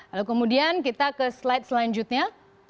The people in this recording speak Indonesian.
lalu kemudian kita ke slide selanjutnya